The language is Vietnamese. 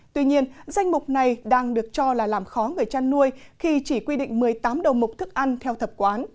tuy nhiên danh mục này đang được cho là làm khó người chăn nuôi khi chỉ quy định một mươi tám đầu mục thức ăn theo tập quán